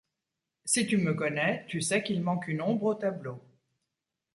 Si tu me connais tu sais qu'il manque une ombre au tableau.